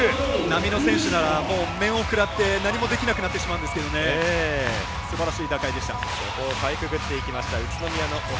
並みの選手なら面を食らって何もできなくなってしまうんですがすばらしい打開でした。